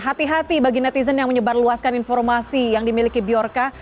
hati hati bagi netizen yang menyebar luaskan informasi yang dimiliki biorka